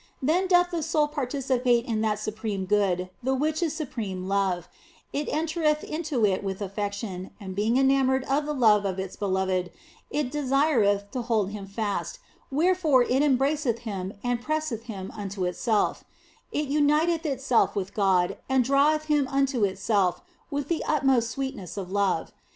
Then doth the soul participate in that supreme good, the which is supreme love ; it entereth into it with affection, and being enamoured of the love of its Beloved, it desireth to hold Him fast, wherefore it embraceth Him and presseth Him unto itself ; it uniteth itself with God and draweth Him unto itself with the utmost sweetness of love.